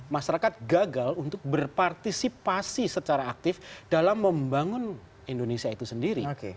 masyarakat gagal untuk berpartisipasi secara aktif dalam membangun indonesia itu sendiri